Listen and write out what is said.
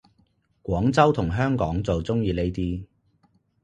廣州同香港就鍾意呢啲